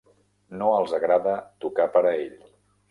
No els agrada tocar per a ell.